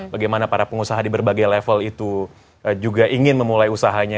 bagaimana para pengusaha di berbagai level itu juga ingin memulai usahanya